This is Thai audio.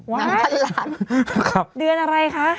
ว่าด้วยอะไรคะ